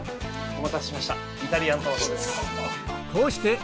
お待たせしましたイタリアントマトです。